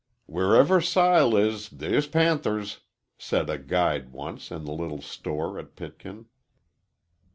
"Wherever Sile is they's panthers," said a guide once, in the little store at Pitkin.